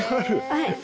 はい。